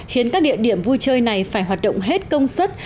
khiến các địa điểm vui chơi này phải hoạt động hết công suất